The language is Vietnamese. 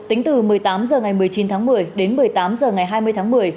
tính từ một mươi tám h ngày một mươi chín tháng một mươi đến một mươi tám h ngày hai mươi tháng một mươi